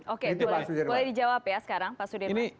oke boleh dijawab ya sekarang pak sudirman